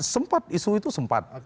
sempat isu itu sempat